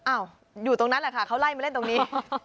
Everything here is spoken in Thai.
อยู่ตรงนั้นแหละค่ะเขาไล่มาเล่นตรงนี้